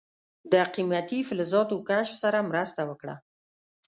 د قیمتي فلزاتو کشف سره مرسته وکړه.